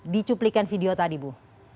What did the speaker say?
dicuplikan video tadi bu